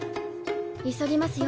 急ぎますよ